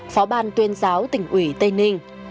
phó ban tuyên giáo tỉnh ủy tây ninh